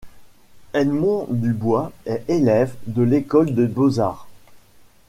Edmond Dubois est élève de l'École des Beaux-Arts.